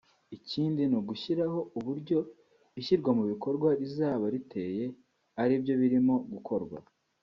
ikindi ni ugushyiraho uburyo ishyirwamubikorwa rizaba riteye aribyo birimo gukorwa